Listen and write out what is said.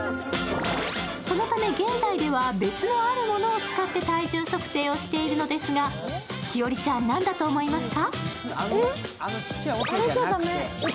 そのため現在では別のあるものを使って体重測定をしているのですが、栞里ちゃん、何だと思いますか？